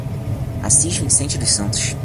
Assis Vicente dos Santos